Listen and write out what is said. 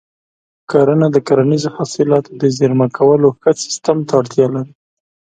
کرنه د کرنیزو حاصلاتو د زېرمه کولو ښه سیستم ته اړتیا لري.